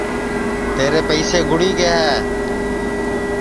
تیرے پئیسے گُڑی گے ہے